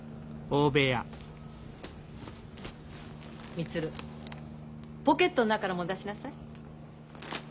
充ポケットの中のもの出しなさい。